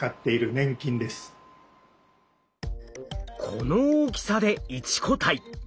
この大きさで一個体。